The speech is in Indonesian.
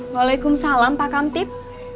waalaikumsalam pak kamtip